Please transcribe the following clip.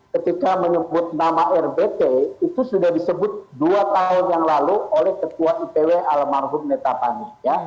ketika menyebut nama rbt itu sudah disebut dua tahun yang lalu oleh ketua ipw almarhum netapani